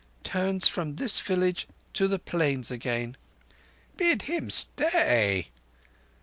"—turns from this village to the Plains again." "Bid him stay."